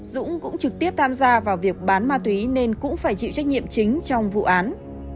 dũng cũng trực tiếp tham gia vào việc bán ma túy nên cũng phải chịu trách nhiệm chính trong vụ án